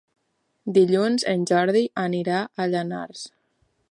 Dilluns en Jordi anirà a Llanars.